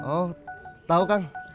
oh tau kang